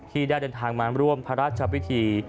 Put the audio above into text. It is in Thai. ที่ได้เดินทางมาร่วมพระราชพิธี